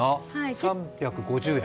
３５０円。